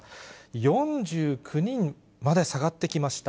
４９人まで下がってきました。